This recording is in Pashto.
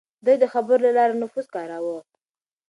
ده د خبرو له لارې نفوذ کاراوه.